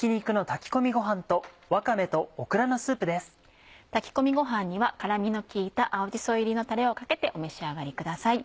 炊き込みごはんには辛みの効いた青じそ入りのタレをかけてお召し上がりください。